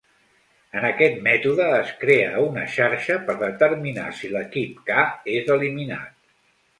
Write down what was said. En aquest mètode es crea una xarxa per determinar si l'equip "k" és eliminat.